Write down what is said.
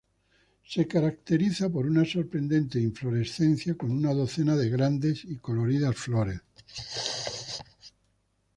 Se caracteriza por una sorprendente inflorescencia con una docena de grandes y coloridas flores.